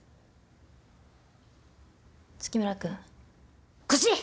月村君腰！